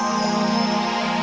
lagi di surga